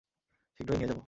শীঘ্রই নিয়ে যাব।